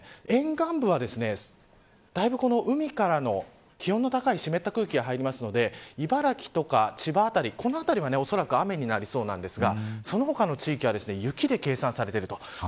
沿岸部はだいぶ、海からの気温の高い湿った空気が入りますので茨城とか千葉辺りはおそらく雨になりそうですがその他の地域は雪で計算されています。